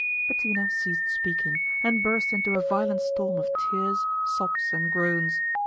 Bettina ceased speaking, and burst into a violent storm of tears, sobs, and groans.